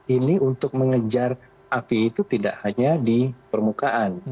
ini untuk mengejar api itu tidak hanya di permukaan